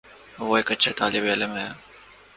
وہ ایک اچھا طالب علم ہے